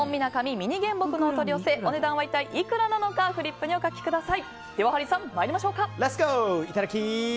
ミニ原木のお取り寄せお値段は一体いくらかフリップにお書きください。